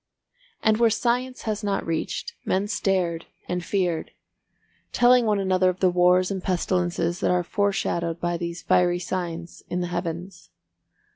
And where science has not reached, men stared and feared, telling one another of the wars and pestilences that are foreshadowed by these fiery signs in the Heavens.